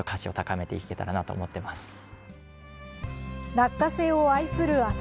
落花生を愛する旭